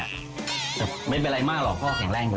แต่ไม่เป็นไรมากหรอกพ่อแข็งแรงกว่า